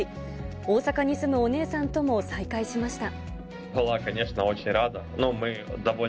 大阪に住むお姉さんとも再会しました。